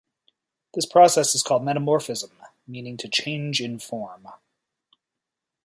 This process is called metamorphism; meaning to "change in form".